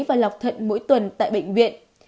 và lọc thận mỗi tuần tại bệnh viện